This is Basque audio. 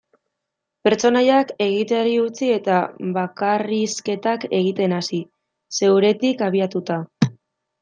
Pertsonaiak egiteari utzi eta bakarrizketak egiten hasi, zeuretik abiatuta.